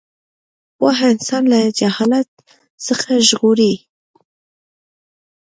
پوهه انسان له جهالت څخه ژغوري.